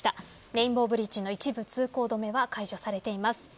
レインボーブリッジの一部通行止めは解除されています。